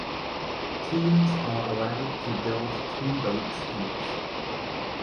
Teams are allowed to build two boats each.